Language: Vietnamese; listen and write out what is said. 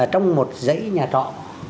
trong một giấy nhà trọ